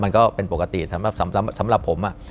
มันก็เป็นปกติสำหรับผม